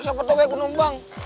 siapa tau ya gue nombang